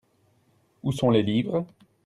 Où sont les livres ?